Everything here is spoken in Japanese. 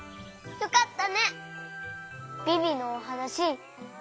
よかった！